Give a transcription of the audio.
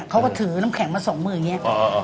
เขาก็ถือน้ำแข็งมาสองมืออย่างนี้